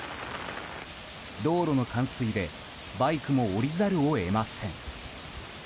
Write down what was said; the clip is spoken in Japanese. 道路の冠水でバイクも降りざるを得ません。